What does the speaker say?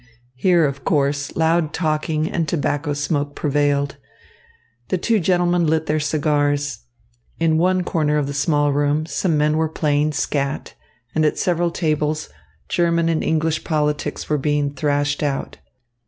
Here, of course, loud talking and tobacco smoke prevailed. The two gentlemen lit their cigars. In one corner of the small room, some men were playing skat, and at several tables, German and English politics were being thrashed out.